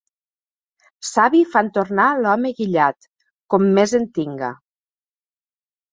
Savi fan tornar l'home guillat, com més en tinga.